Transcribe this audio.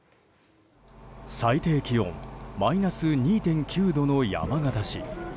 最低気温マイナス２．９度の山形市。